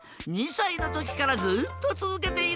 ２さいのときからずっとつづけているんだ。